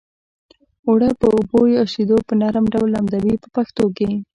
اوړه په اوبو یا شیدو په نرم ډول لمدوي په پښتو کې.